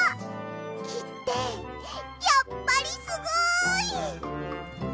きってやっぱりすごい！